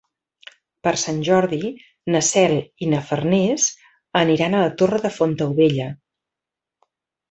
Per Sant Jordi na Cel i na Farners aniran a la Torre de Fontaubella.